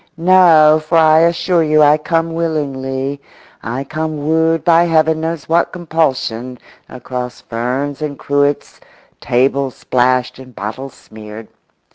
No, for I assure you I come willingly; I come wooed by Heaven knows what compulsion across ferns and cruets, table splashed and bottles smeared.